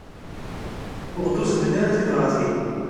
Ur aɣ-d-uznen ara tibratin.